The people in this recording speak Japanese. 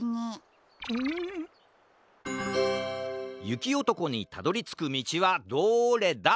ゆきおとこにたどりつくみちはどれだ？